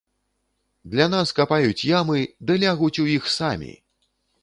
Для нас капаюць ямы, ды лягуць у іх самі!